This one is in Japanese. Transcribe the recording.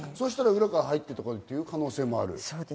裏から入ってって可能性もある。